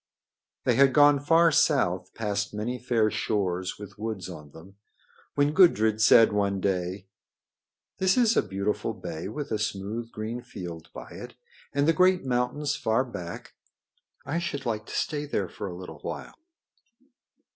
They had gone far south, past many fair shores with woods on them, when Gudrid said one day: "This is a beautiful bay with a smooth, green field by it, and the great mountains far back. I should like to stay there for a little while."